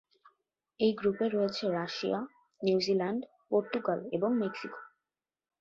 এই গ্রুপে রয়েছে রাশিয়া, নিউজিল্যান্ড, পর্তুগাল এবং মেক্সিকো।